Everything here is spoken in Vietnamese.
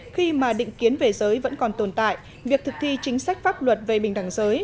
khi mà định kiến về giới vẫn còn tồn tại việc thực thi chính sách pháp luật về bình đẳng giới